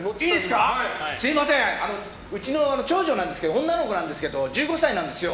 うちの長女なんですけど女の子なんですけど１５歳なんですよ。